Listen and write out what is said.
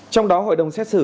trong đó hội đồng xét xử